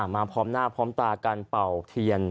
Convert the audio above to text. พร้อมหน้าพร้อมตาการเป่าเทียน